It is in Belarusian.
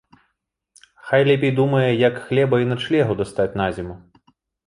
Хай лепей думае, як хлеба і начлегу дастаць на зіму.